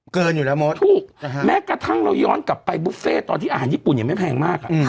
เกินอยู่แล้วมดถูกแม้กระทั่งเราย้อนกลับไปบุฟเฟ่ตอนที่อาหารญี่ปุ่นยังไม่แพงมาก